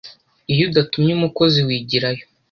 iyo udatumye umukozi wigirayo